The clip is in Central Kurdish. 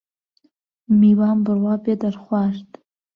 میوان بڕوا بێ دەرخوارد